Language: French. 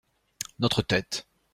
Notre tête.